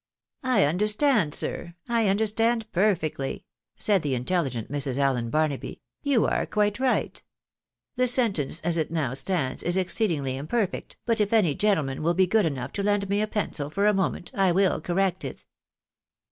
" I understand, sir, I understand perfectly," said the inteUigent Mrs. Allen Barnaby, " you are quite right ! The sentence as it now stands is exceedingly imperfect, but if any gentleman will be good enough to lend me a pencil for a moment I will correct it."